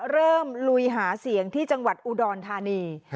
ลุยหาเสียงที่จังหวัดอุดรธานี